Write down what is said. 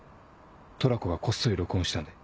トラコがこっそり録音したんで。